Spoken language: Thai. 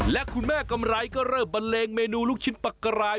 และคุณแม่กำไรก็เริ่มบันเลงเมนูลูกชิ้นปลากราย